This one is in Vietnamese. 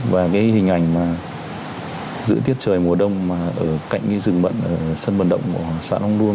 và cái hình ảnh mà giữ tiết trời mùa đông mà ở cạnh cái rừng mận ở sân vận động của xã long luôn